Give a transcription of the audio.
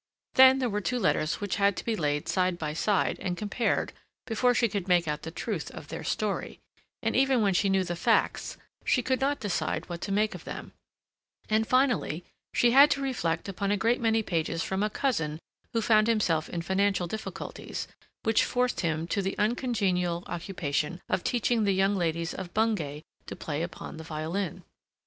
Then there were two letters which had to be laid side by side and compared before she could make out the truth of their story, and even when she knew the facts she could not decide what to make of them; and finally she had to reflect upon a great many pages from a cousin who found himself in financial difficulties, which forced him to the uncongenial occupation of teaching the young ladies of Bungay to play upon the violin.